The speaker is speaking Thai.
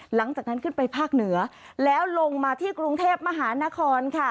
หลังจากนั้นขึ้นไปภาคเหนือแล้วลงมาที่กรุงเทพมหานครค่ะ